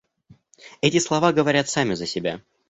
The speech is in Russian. Эти слова говорят сами за себя.